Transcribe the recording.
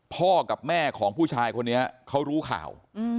พ่อกับแม่ของผู้ชายคนนี้เขารู้ข่าว